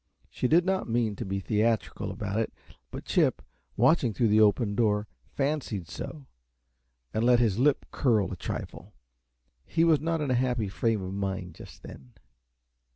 She did not mean to be theatrical about it, but Chip, watching through the open door, fancied so, and let his lip curl a trifle. He was not in a happy frame of mind just then.